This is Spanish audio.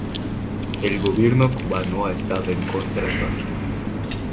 El Gobierno cubano ha estado en contra el Paquete.